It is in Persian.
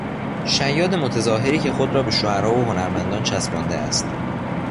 شیاد متظاهری که خود را به شعرا و هنرمندان چسبانده است